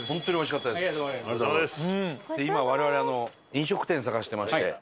今我々飲食店探してまして。